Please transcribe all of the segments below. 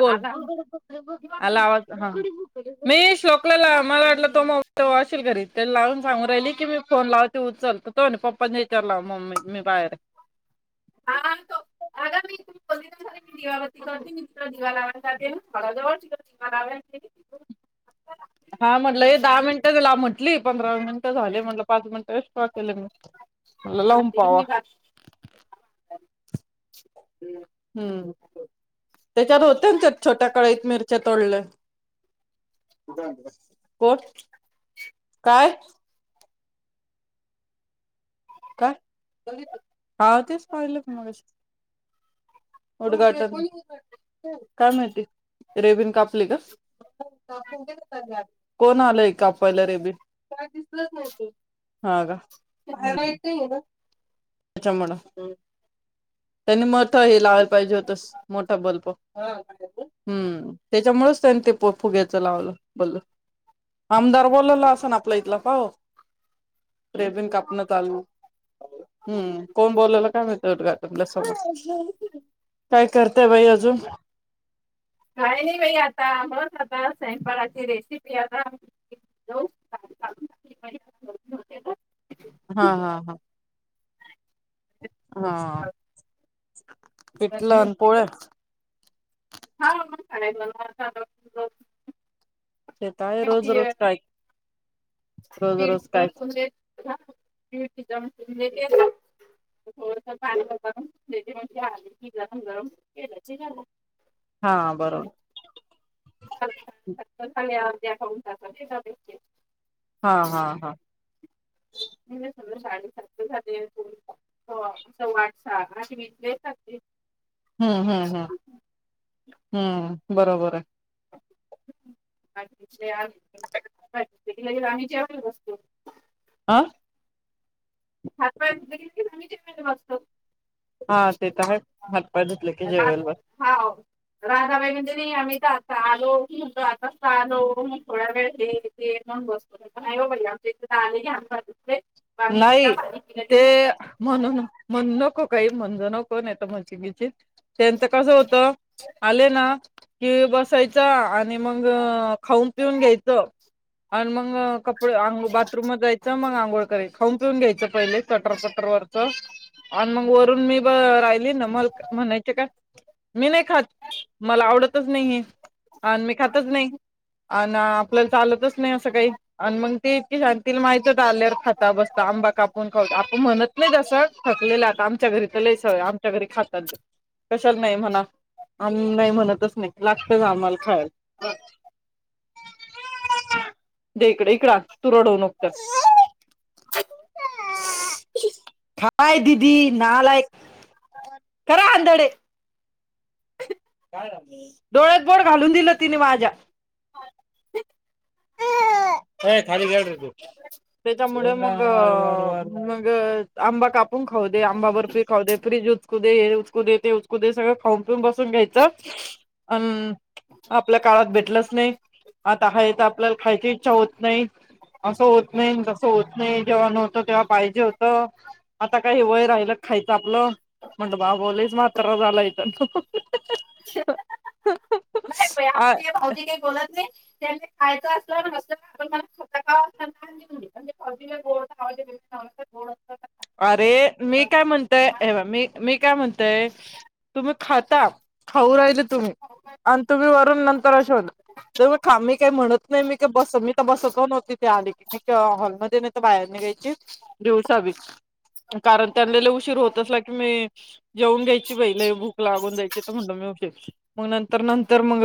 बोल आला आवाज हा मी शोकला ला मला वाटलं तो मग आशिल घरी तेला लावून सांगू राहिली की मी फोन लावते उचलतो तो म्हणे पप्पाच्या हेच्यावर लाव मम्मी मी बाहेर हे दोन दिवस झाले मी दिवाबती कॉन्टिन्यू तिकड दिवा लावायला जाते पांढरा एम एल मिनटं झाले म्हटल पाच मिनट एस्ट्रा केले मि म्हणलं लावून पावा हूं तेच्यात होत्या नं छोट छोट्या कळयीत मिरच्या तोडल्या. कोट काय. आवो तेच पाहिलं मगाशी उद्घाटन काय माहिती रेबीन कापली का कोण आलंय कापायला रेबीन. हा का काय माहीत. त्याच्यामुंळ त्यांनी मथ हे लावायला पाहिजे होतस मोठा बल्ब हम्म तेच्यामुळच त्यांनी ते फू फुग्यायच लावलं बल्ल आमदार बोलवला आसंन आपल्या इथला. ओ रेबिन कापण चालू. हम्म कोण बोलवल. काय माहीत उद्घाटनला समोर काय करतेय बाई अजून? काय नाही बाई आता बस आता सयंपाकाची रेसिपी आता [unintelligible] हा हा हा! हा! पिठल आण पोळ्या [unintelligible] ते त आहे होय रोज, रोज काय [unintelligible] रोज रोज काय थोडसं पाणी घ्यायच [unintelligible] हा बरो बिया खाऊन टाकायचे [unintelligible] हा हा हा! घरून साडे सात ला जाते, सव्वा आठ सहा ला रात्री इकडे येतात ते. हा हा हा हा हा बरोबर. का आम्हीच्यावर बसतो. [unintelligible] आ. हातपाय धुतलं की [unintelligible] कायम असत. हा ते त हायत हात पाय धुतलं, की जेवायला बस. राधाबाई म्हणजे नही आम्ही इथ आता आलो तू म्हणतोय आता त आलो मग थोडा वेळ हे ते मंग बसलो. नाही हो बाई आमच्या इथे त आले की हात पाय धुतले. पाणी पी. ते ते म्हणून म्हणून नको काही म्हणून नको. कोण हाय ते म्हणजे विजित. त्यांचं कसं होतं, आले ना की बसायचा आणि मग खाऊन पिऊन घ्यायचं आणि मग कप पुढ बाथरूम मध्ये जायच मग घोळकरी हायेस. खाऊन पिऊन घ्यायचं पहिले चटर चटर वरचं, आण मग वरून मी ब राहिली ना मग म्हणायचे काय, मी नाही खात मला आवडतच नाहीये. अन मी खातच नाही. अण आपल्याला चालतच नाही असं काही अण मग ते इतकी शांतील माहित होतं आल्यावर खाती आता मस्त आंबा कापून खाऊ आपणम्हणत नाही. असं थकलेलं आता आमच्या घरी तर लस आमच्या घरी खातात कशाला नाही. म्हणा आम नाही, म्हणतच नाही लागतच आम्हाला खायला इकड इकड तू रडव नकत हाय दीदी नालायक करा आंध काय झालं डोळ्यात बोट घालून दिलं तिन माझ्या. ते. ए खाली खेळरे तू ते चमडं मग. मग आंबा कापून खाऊ दे आंबा बर्फी खाऊ दे फ्रीज उचकू दे हे उचकू दे ते उचकू दे सगळं खाऊन पिऊन बसून घ्यायचं अण आपल्या काळात भेटलच नाही आता हाईत आपल्याला खायची. इच्छा होत नाही असं होत नाही तसं होत नाही जेव्हा नव्हतं तेव्हा पाहिजे होत आता काही वय राहिलं खायचं आपलं म्हण बाबू लयच म्हातार झालं हित ह ह ह. ते भाऊजी काय बोला लयते. त्यांनी खायचं असलंना नसलंना [unintelligible] अरे मी काय म्हणतय अबक मी मी काय म्हणतय तुम्ही खाता खाऊ राहिल तुम्ही आण तुम्ही वरून नंतर अ अ शे होल ज म ख मी काही म्हणत नाही मी बस मी बसत नव्हती. ती आली की मी हॉलमध्येध्ये नाही तर बाहेर निघ्यायची दिवसा ब कारण त्यांना लय उशीर होत असला की मी जेऊन घ्यायची बाई लई भूक लागून जायाची तर म्हणलं मी उशीर मग नंतर नंतर मग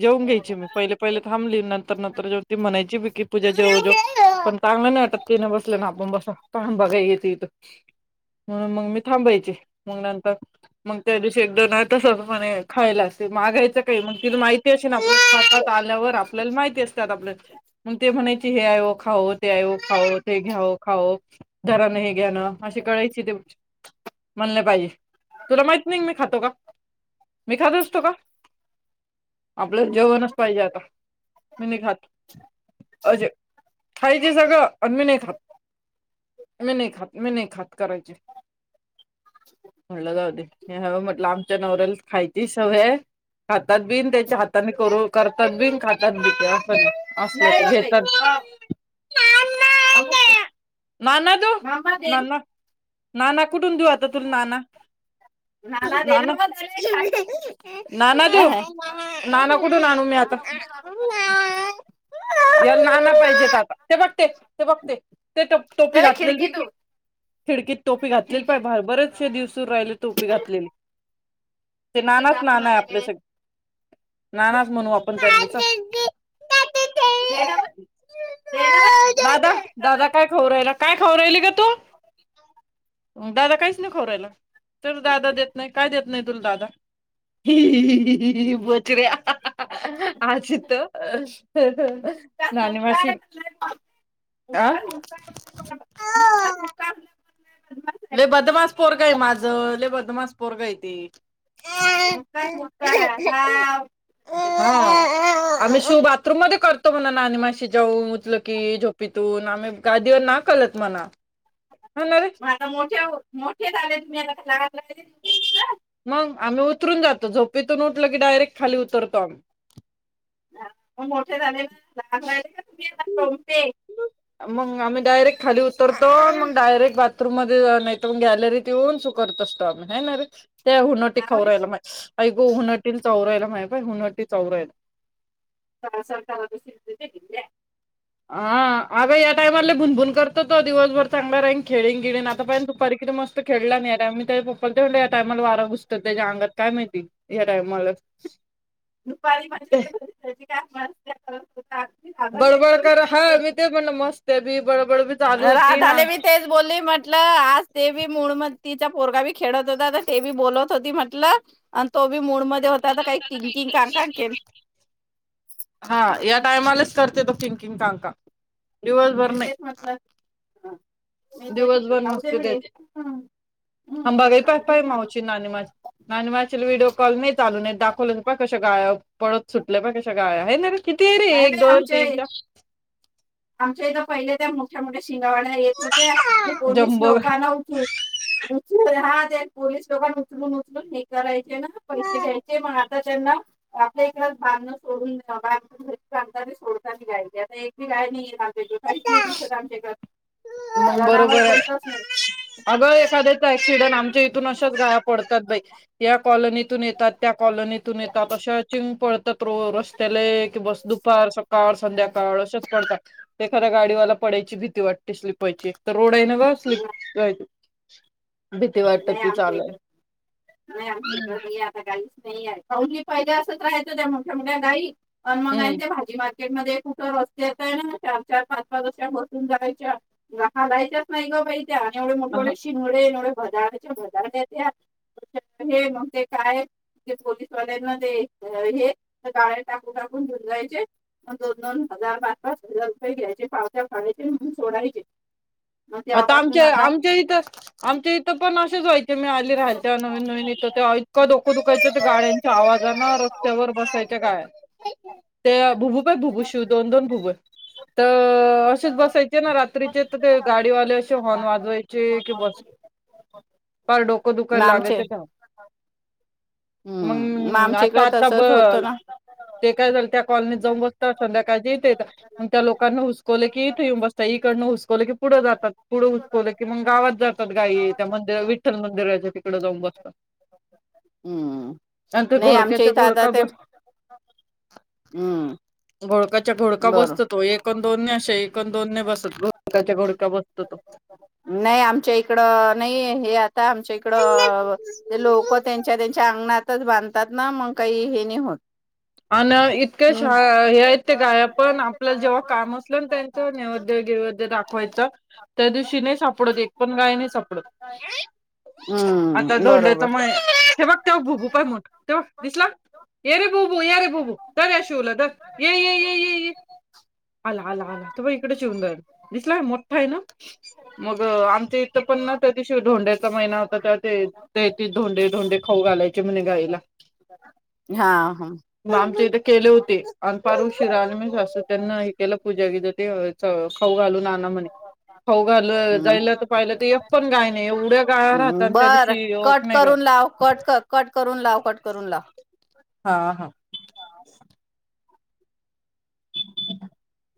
जेऊन घ्यायची मी पहिले कारण त्यांना उशीर होत असला की, मी जेवून घ्यायची बाई लय भूक लागून जायची तर म्हटलं जेवते. मग नंतर नंतर मग जेवण घ्यायची मी. पहिले पहिले थांबली नंतर नंतर जेवन ती म्हणायची बी की पूजा जेव जेव. पण चांगलं नाही वाटत तिने बसले ना आपण बस बघाय ही तिथ म्हणून मग मी थांबायची. मग नंतर मग त्या दिवशी एक दोन वेळा तसंच म्हणे खाईल असेल, मागायचं काय मग दिले माहिती असेल. [unintelligible] आल्यावर आपल्याला माहिती असतंय आता आपलं. मग ते म्हणायची हे आहे ओ खाऊ द्याओ, खाओ ते घ्याओ, खाओ घरानं हे घ्या ना अशी करायची ते म्हणले पाहिजे, तुला माहित नाही मी खातो का? मी खात असतो का? आपलं जेवणच पाहिजे आता, मी नाही खात. अजे खायचे सगळं आणि मी नाही खात, मी नाही खात. मी नाही खात करायची. म्हटलं जाऊ दे हे हवं म्हटलं आमच्या नवऱ्याला खायची सवय आहे. खातात बिन त्याच्या हाताने करू करतात बि न खातात बी त्या असल तर घेतात. काय बोलतंय? माना दो [unintelligible] नाना कुठून देऊ आता तुला नाना? नाना नाना देव नाना कुठून आणू मी आता याला नाना पाहिजेत आता ते बघते ते बघते ते टप टोपी घातले ली खिडकीत टोपी घातलेली पाय भरबरच आच्या दिवस राहिले तोपी घातलेली. ते नानाच नाना आहे आपल्या सग नानाच म्हणू आपणच. देना दादा दादा काय खाऊ राहिला काय खाऊ राहिल ग तो दादा काहीच नाही खाऊ राहिला तर दादा देत नाही काय देत नाही तुला दादा ही बचरे आजित नाणी माशी अ लई बदमास पोरगय माझ लय बदमास पोरगय ते हा आम्ही शी बाथरूम मध्ये करतो म्हणा ना आणि माशी जाऊन उचल की झोपीतून आम्ही गादीवर ना कलत म्हणा हो ना रे आता मोठ्या होतं मोठे झाले तुम्ही आता [unintelligible] मंग आम्ही उतरून जातो झोपीतून न उटलं की डायरेक्ट खाली उतरतो आम् मग मोठे झाले ना मग आम्ही डायरेक्ट खाली उतरतो मग डायरेक्ट बाथरूम मध्ये नाहीत म गॅलरीत येऊन सु करत असतो आम्ही हाय नारे ते हुनटी खाऊ रायला मा ऐ गो हुनटी चावू रायला माहि हुनटी चावू रायला. अहं या टायमाला भुनभुन करतो तो दिवसभर चांगला रँन खेळीन गेळीन आता पहि दुपारी किती मस्त खेळला नाही टा मी त्या पप्पाला तेवलं या टायमाला वारा घुसत त्याच्या अंगात काय माहिती या टायमाला ते- बडबड कर हा मी ते पण मस्त आहे बी बडबड चालू होती ना राधाले बी तेच बोलली म्हटलं आज ते बी मुड म तिच्या पोरगा बी खेडत होता ते बी बोलत होती म्हटलं अन तो बी मूड मध्ये होता आ काही थिकिंग कांणकांण के हा या टायमालाच करते तो कथिंकिंग काांका दिवसभर नाही. दिवसभर नसते त्याचे अंबा घे पपाही मावची नानी माझी नानी मा च्या ला व्हिडिओ कॉल नाही चालून नाहीत दाखवलं पा कशा गा पत सुटलं पा कशा गादया हाय ना रे किती आहे रे एक दोन तीन चार आमच्या इथं पहिले त्या मोठ्या मोठ्या शिड्या येत होत्या चार पोलीस जम्बो लोकांना उचळून उचलून हात पोलीस लोकां उचलून उचलून हे कराय ते नं पैसे गाय घ्यायचे मार त्यांना आपल्या इकडच बांध सोडून घरी बांध सोड गाय आता एक ही गाय नाहीये ते त काहीच नाही दिसत आमच्याक मंग बरोबर आहे अगं एखाद्याच ऍक्सीडेन्ट आम इथून अशाच गाया पडतात बाई या कॉलनीतून येतात त्या कॉलनीतून येतात अशा चिंग पडतात रो रस्त्याला कि बस दुपार सकाळ संध्याकाळ अशेच पडतात एखादा गाडीवाला पडायची भीती वाट स्लीप व्हायची एक तर रोड हाय नव्ह स्लीप व्हायची नाही आमच्या इकड नाही आमच्या इकड नाही आता काहीच नाही काऊही फहिदे असंच राहाय तो त्या मोठ्या मोठ्या गाई अ मगांचे हम्म भाजी मार मध्ये कुठं रस्ते येत आहे ना चार चार पाच पाच अशा बसून राहायच्या हालायच्याच नाही ग बई ते आणि एवढे मोठे शिंगडे नं एवढ भदचे भदण्यात्या हे मग ते काय ते पोलीसवाल्यांना ते हे गाळे टाकून टाकून घेऊन जायचे मग दोन दोन हजार पाच पाच हजार रुपये घ्यायचे पावत्या फाडायचे नेहून सोडायचे. आता आमच्या आमच्या इथं आमच्या इथं पण असेंच हाईत मी आली राहायच्या नवीन नवीन इथं ते इतकां डोकं दुखायचं गाड्यांच्या आवाजाने रस्त्यावर बसायच्या गाय ते भुबुपे भुबुशिव दोन दोन भुब तर असेच बसायचे ना रात्रीचे तर ते गाडीवाले असे हॉर्न वाजवायचे कि बस पार डोक दुख लागायच मग आता आता ब ते काय झालं त्या कॉलनीत जाऊन बसत संध्याकाळ इथेग त्या लोकांना हुसकवलं की इथे येऊन बसत इकडन हुसकवलं की पुढ जातात पुढं उचकवलं की मग गावात जातात गाई त्या मंदिरात विठ्ठल तिकड जाऊन बसत नंतर घोडक्याचा घोडका बस हम्म बोळक घोडका बसतो तो एक अन दोन नाई अशा एक दोन न बसत घोडकाच्या घोडक नाही आमच्या इकड नाहीये हे आता आमच्या इकडं लोक त्यांच्या त्यांच्या अंगणातच बांधतात ना मग काही हे नाही होत अन इतके श हे आयेत ते गाय पण आपल्याला जेव्हा काम असलं ना त्यांच नैवद्य गिवद्य दाखवायचं त्या दिवशी नाही सापडत एक पण गाय नाही सापडत, आता धोंडचामुळे हे बघ तेव्हा भुबू पाय मोठ तेव्हा दिसला ये रे भुप ते बू येरे बूबू धर या शिवला धर य ये ये ये ये आला आला आला ते बघ इकडे शिवला धर दिसला काय मोठा आहे ना मग आम च्या इथे पण ना त्या दिवशी धोंड्याचा महिना होता तेव्हा ते ते ते धोंडे धोंडे खाऊ घालायचे म्हणे हा हा मा जे बे केले होते अन पारू शरा आणि मी असतं त्यांना हे केलं पूजा घ ते खाऊ घालू नाना म्हणे खाऊ घाल हम्म. जायला तर पाहिलं तर पण गा नाही एवढ्या गाय राहत आणि त्या बरं दिवशीक कट नाही गाय. करून लाव कट कट करून लाव कट करून लाव. हा हा. [inaudible]